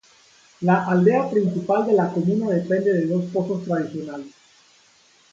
La aldea principal de la comuna depende de dos pozos tradicionales.